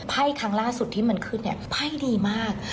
ไพ่ครั้งล่าสุดที่มันขึ้นเนี่ยไพ่ดีมาก